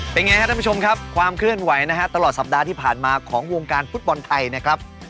เป็นไงครับท่านผู้ชมครับความเคลื่อนไหวนะฮะตลอดสัปดาห์ที่ผ่านมาของวงการฟุตบอลไทยนะครับ